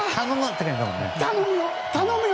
頼むよ！